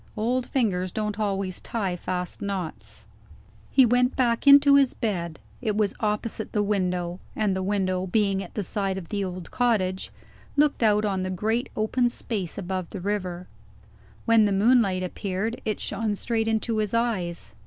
"Old fingers don't always tie fast knots." He went back into his bed. It was opposite the window; and the window, being at the side of the old cottage, looked out on the great open space above the river. When the moonlight appeared, it shone straight into his eyes.